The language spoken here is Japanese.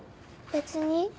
別に。